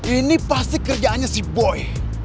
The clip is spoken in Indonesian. ini pasti kerjaannya si boy